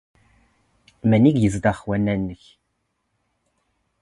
ⵎⴰⵏⵉ ⴳ ⵉⵣⴷⵖ ⵡⴰⵏⴰ ⵏⵏⴽ?